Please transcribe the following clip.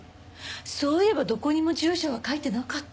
そういえばどこにも住所は書いてなかった。